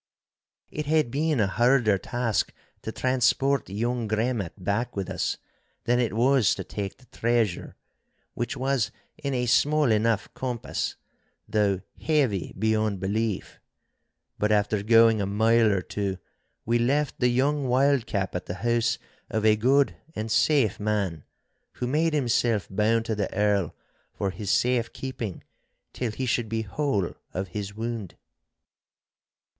It had been a harder task to transport young Gremmat back with us than it was to take the treasure—which was in a small enough compass, though heavy beyond belief. But after going a mile or two we left the young wildcap at the house of a good and safe man, who made himself bound to the Earl for his safe keeping till he should be whole of his wound.